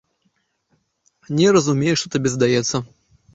Не разумею, што табе здаецца?